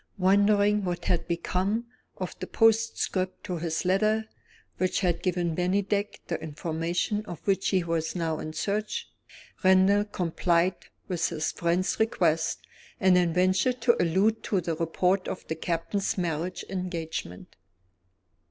Wondering what had become of the postscript to his letter, which had given Bennydeck the information of which he was now in search, Randal complied with his friend's request, and then ventured to allude to the report of the Captain's marriage engagement.